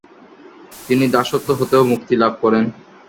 তিনি দাসত্ব হতেও মুক্তি লাভ করেন।